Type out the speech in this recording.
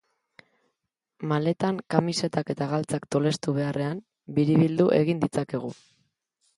Maletan kamisetak eta galtzak tolestu beharrean, biribildu egin ditzakegu.